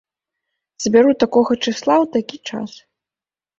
Забяру такога чысла ў такі час.